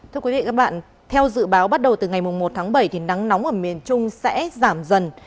thưa quý vị và các bạn theo dự báo bắt đầu từ ngày một tháng bảy thì nắng nóng ở miền trung sẽ giảm dần